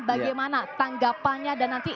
bagaimana tanggapannya dan nanti